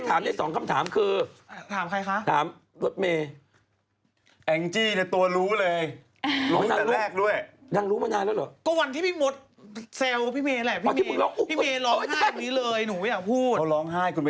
ทุกคนก็อย่าพูดคุณน่ะไปพูดจนเขาร้องไห้